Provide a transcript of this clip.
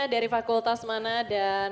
dari fakultas mana dan